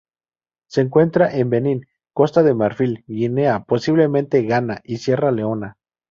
Se encuentra en Benín, Costa de Marfil, Guinea, posiblemente Ghana, y Sierra Leona.